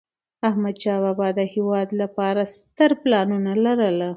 احمدشاه بابا د هېواد لپاره ستر پلانونه لرل.